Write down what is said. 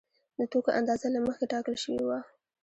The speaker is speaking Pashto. د توکو اندازه له مخکې ټاکل شوې وه